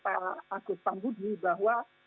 pak agus pambudi bahwa